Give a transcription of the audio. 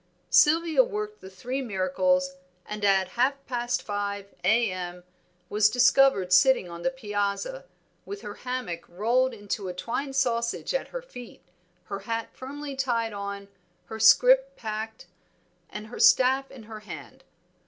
Sylvia worked the three miracles, and at half past five, A. M. was discovered sitting on the piazza, with her hammock rolled into a twine sausage at her feet, her hat firmly tied on, her scrip packed, and her staff in her hand.